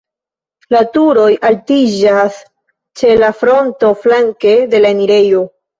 La turoj altiĝas ĉe la fronto flanke de la enirejo.